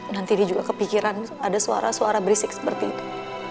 nanti dia juga kepikiran ada suara suara berisik seperti itu